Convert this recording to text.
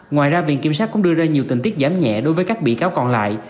ngoài ra viện kiểm sát cũng đưa ra nhiều tình tiết giảm nhẹ đối với các bị cáo còn lại